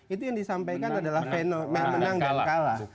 itu yang disampaikan adalah fenomen menang dan kalah